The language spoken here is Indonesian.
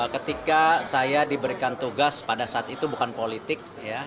ketika saya diberikan tugas pada saat itu bukan politik